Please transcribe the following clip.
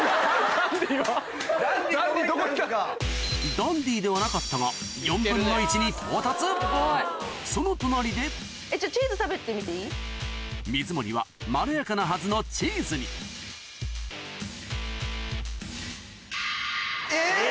ダンディーではなかったが４分の１に到達その隣で水森はまろやかなはずのチーズに・えっ！